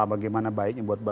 bagaimana baiknya buat